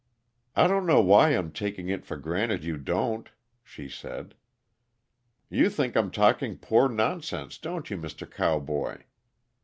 "I don't know why I'm taking it for granted you don't," she said. "You think I'm talking pore nonsense, don't you, Mr. Cowboy?"